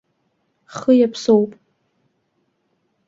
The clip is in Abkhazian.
Хы иаԥсоуп!